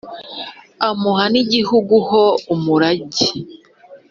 amuha n’igihugu ho umurage